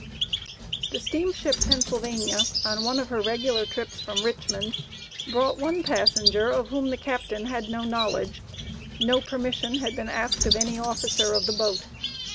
The steamship Pennsylvania, on one of her regular trips from Richmond, brought one passenger, of whom the Captain had no knowledge; no permission had been asked of any officer of the boat.